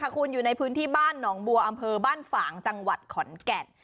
คุณอยู่ในพื้นที่บ้านหนองบัวอำเภอบ้านฝางจังหวัดขอนแก่น